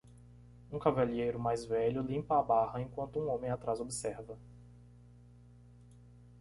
Um cavalheiro mais velho limpa a barra enquanto um homem atrás observa.